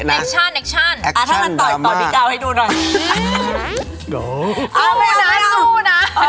ถ้ามันต่อดีกล้าวให้ดูหน่อย